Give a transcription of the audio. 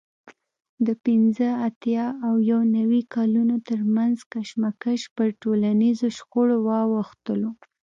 د پینځه اتیا او یو نوي کالونو ترمنځ کشمکش پر ټولنیزو شخړو واوښتلو